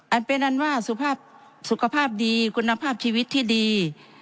อันเป็นอันว่าสุขภาพสุขภาพดีคุณภาพชีวิตที่ดี